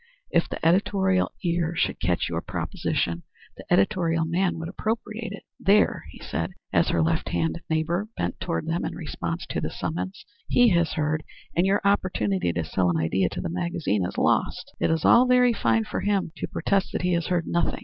If the editorial ear should catch your proposition the editorial man would appropriate it. There!" he added, as her left hand neighbor bent toward them in response to the summons, "he has heard, and your opportunity to sell an idea to the magazine is lost. It is all very fine for him to protest that he has heard nothing.